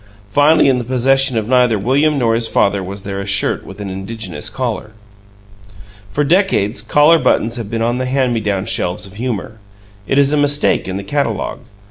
Finally, in the possession of neither William nor his father was there a shirt with an indigenous collar. For decades, collar buttons have been on the hand me down shelves of humor; it is a mistake in the catalogue.